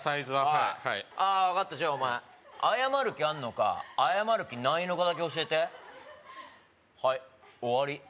おいああ分かったじゃあお前謝る気あんのか謝る気ないのかだけ教えてはい終わり